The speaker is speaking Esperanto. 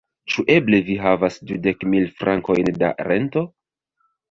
Ĉu eble vi havas dudek mil frankojn da rento?